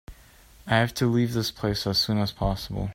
I have to leave this place as soon as possible.